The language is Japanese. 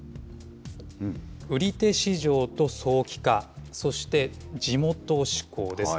売手市場と早期化、そして地元志向です。